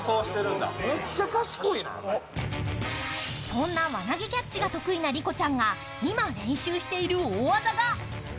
そんな輪投げキャッチが得意なリコちゃんが今練習している大技が。